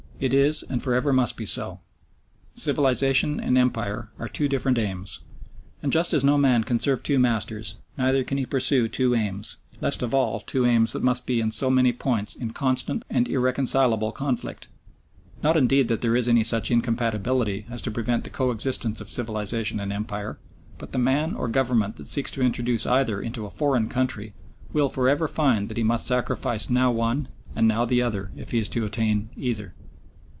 It is, and for ever must be so. Civilisation and empire are two different aims; and just as no man can serve two masters, neither can he pursue two aims, least of all two aims that must be in so many points in constant and irreconcilable conflict; not indeed that there is any such incompatibility as to prevent the coexistence of civilisation and empire, but the man or Government that seeks to introduce either into a foreign country will for ever find that he must sacrifice now one and now the other if he is to attain either.